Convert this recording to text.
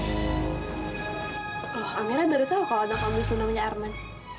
aminah baru tahu kalau nama wisnu namanya arman